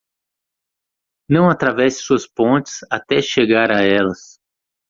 Não atravesse suas pontes até chegar a elas.